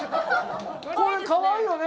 これかわいいよね？